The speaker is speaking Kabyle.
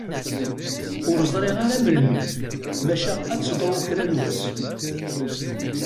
Ur ẓriɣ ara melmi, maca ad d-teḍru kra n wass.